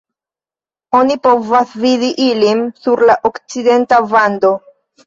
Oni povas vidi ilin sur la okcidenta vando.